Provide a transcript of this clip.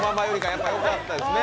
やっぱり良かったですね。